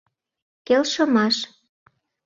КЕЛШЫМАШ